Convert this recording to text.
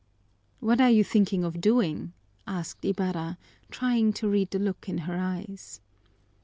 "What are you thinking of doing?" asked Ibarra, trying to read the look in her eyes.